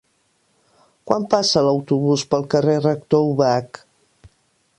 Quan passa l'autobús pel carrer Rector Ubach?